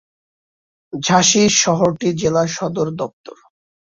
ঝাঁসি শহরটি জেলা সদর দপ্তর।